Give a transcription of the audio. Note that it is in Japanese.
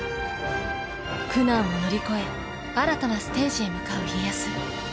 苦難を乗り越え新たなステージへ向かう家康。